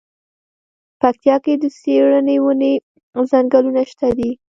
پکتيا کی د څیړۍ ونی ځنګلونه شته دی.